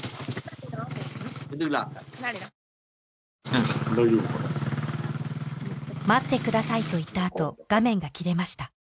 大丈夫かな待ってくださいと言ったあと画面が切れました